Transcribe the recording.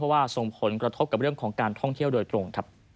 ว่าส่งผลกระทบกับเรื่องของการท่องเที่ยวโดยตรง